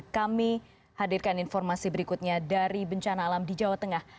kami hadirkan informasi berikutnya dari bencana alam di jawa tengah